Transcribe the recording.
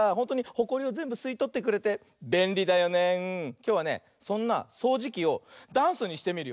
きょうはねそんなそうじきをダンスにしてみるよ。